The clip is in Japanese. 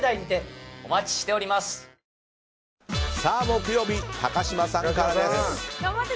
木曜日、高嶋さんからです。